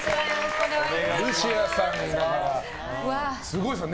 すごいですね